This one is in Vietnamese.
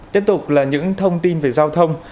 tiếp tục là những thông tin về giao thông